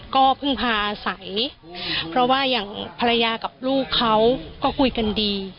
ก็พึ่งพาอาศัยเพราะว่าอย่างภรรยากับลูกเขาก็คุยกันดี